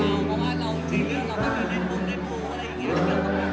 ยังไม่ได้เห็นอะไรก็ไม่ได้เห็นข้อความ